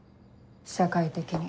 社会的に。